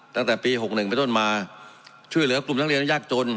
ตั้งแต่ปี๖๑ไปต้นมาช่วยเหลือกลุ่มนักเรียนยากจน